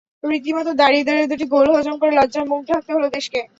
রীতিমতো দাঁড়িয়ে দাঁড়িয়ে দুটি গোল হজম করে লজ্জায় মুখ ঢাকতে হলো দেশকে।